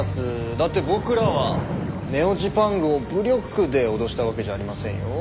だって僕らはネオ・ジパングを武力で脅したわけじゃありませんよ。